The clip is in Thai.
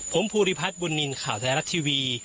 ผมพูริพัทบุญนินทร์ข่าวแทยรัติทีวี